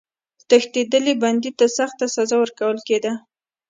تښتېدلي بندي ته سخته سزا ورکول کېده.